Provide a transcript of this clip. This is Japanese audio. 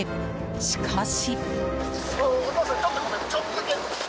しかし。